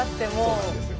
そうなんですよ。